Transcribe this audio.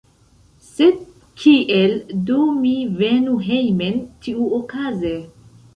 Sed kiel do mi venu hejmen tiuokaze?